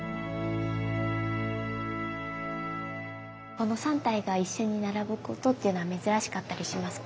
この３体が一緒に並ぶことっていうのは珍しかったりしますか？